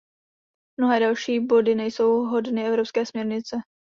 Mnohé další body nejsou hodny evropské směrnice.